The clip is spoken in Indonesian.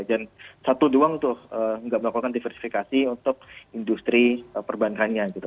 dan satu doang tuh gak melakukan diversifikasi untuk industri perbankannya gitu